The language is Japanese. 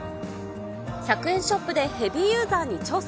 １００円ショップでヘビーユーザーに調査。